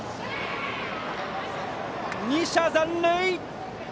２者残塁。